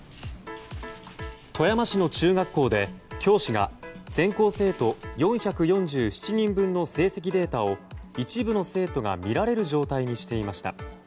富山市の中学校で教師が全校生徒４４７人分の成績データを一部の生徒が見られる状態にしていました。